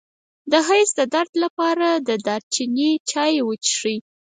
د حیض د درد لپاره د دارچینی چای وڅښئ